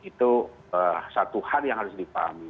itu satu hal yang harus dipahami